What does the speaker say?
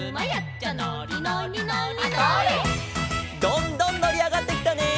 どんどんのりあがってきたね！